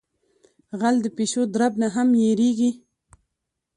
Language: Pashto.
غل د پیشو درب نہ ھم یریگی.